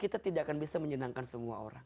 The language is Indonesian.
kita tidak akan bisa menyenangkan semua orang